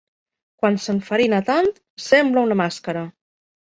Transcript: Quan s'enfarina tant, sembla una màscara.